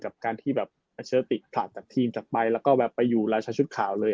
กับการที่แบบอาจารย์ตัวติ๑๙๙๘ทำขลาดจากทีม๕๒คันต่อการไปอยู่ราชชุดข่าวเลย